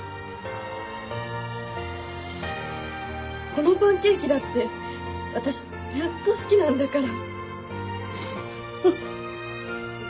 このパンケーキだって私ずっと好きなんだから。